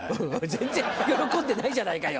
全然喜んでないじゃないかよ！